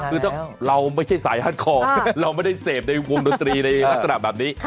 คือถ้าเราไม่ใช่สายฮัดคอเราไม่ได้เสพในวงดนตรีในลักษณะแบบนี้